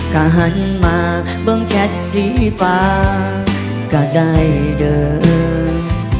ก็หันมาเบื้องแชทสีฟ้าก็ได้เดิน